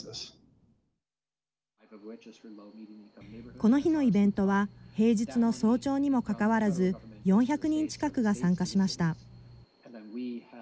この日のイベントは平日の早朝にもかかわらず４００人近くが参加しました。